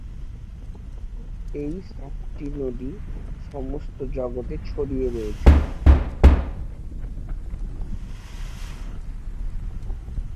এই সাতটি নদী সমস্ত জগৎ এ ছড়িয়ে রয়েছে।